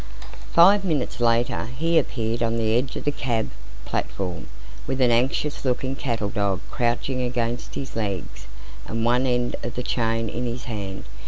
Five minutes later he appeared on the edge of the cab platform, with an anxious looking cattle dog crouching against his legs, and one end of the chain in his hand.